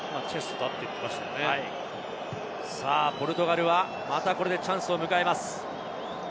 今ポルトガルはまたチャンスを迎えます。